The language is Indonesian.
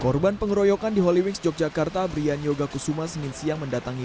korban pengeroyokan di hollywings yogyakarta briyanyoga kusuma senin siang mendatangi